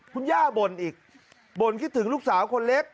คุณย่าบ่นอีกบ่นคิดถึงลูกสาวคนเล็ก